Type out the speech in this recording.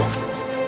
tunggu tunggu tunggu